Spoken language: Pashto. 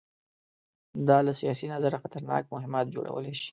دا له سیاسي نظره خطرناک مهمات جوړولی شي.